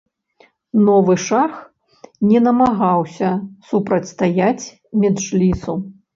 Новы шах не намагаўся супрацьстаяць меджлісу.